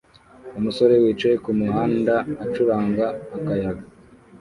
Umusore wicaye kumuhanda acuranga akayaga